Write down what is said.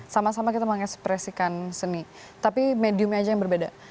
sama sama kita mengekspresikan seni tapi mediumnya aja yang berbeda